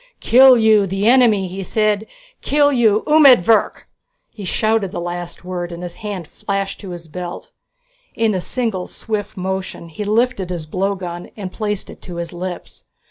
"Kill you, the enemy!" he said. "Kill you umedvirk!" He shouted the last word and his hand flashed to his belt. In a single swift motion he lifted his blowgun and placed it to his lips.